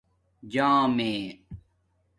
جݳمیے